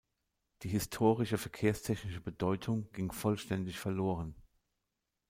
Die historische verkehrstechnische Bedeutung ging vollständig verloren.